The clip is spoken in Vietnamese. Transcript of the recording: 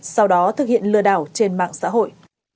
sau đó thực hiện lừa đảo trên mạng xã hội